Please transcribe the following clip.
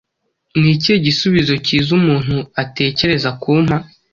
Ni ikihe gisubizo cyiza umuntu atekereza kumpa